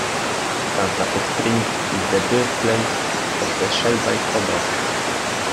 Santa Fe Springs is the birthplace of the Shelby Cobra.